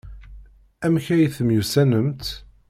Amek ay temyussanemt?